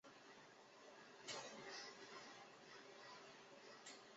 大县神社是位在日本爱知县犬山市的神社。